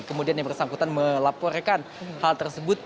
kemudian yang bersangkutan melaporkan hal tersebut